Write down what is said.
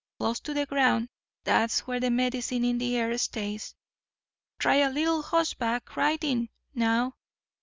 Close to the ground—that's where the medicine in the air stays. Try a little hossback riding now.